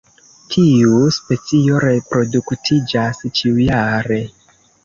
Tiu specio reproduktiĝas ĉiujare.